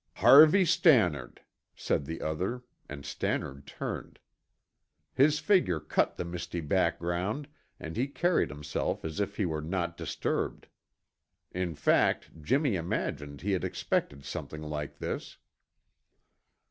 "Harvey Stannard," said the other, and Stannard turned. His figure cut the misty background and he carried himself as if he were not disturbed. In fact, Jimmy imagined he had expected something like this.